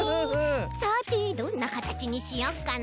さてどんなかたちにしよっかな。